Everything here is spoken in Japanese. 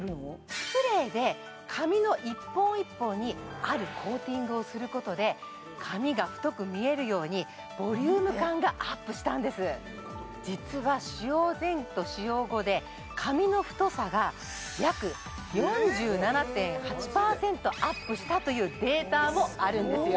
スプレーで髪の１本１本にあるコーティングをすることで髪が太く見えるようにボリューム感がアップしたんです実は使用前と使用後で髪の太さが約４７．８％アップしたというデータもあるんですよ